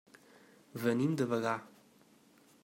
Venim de Bagà.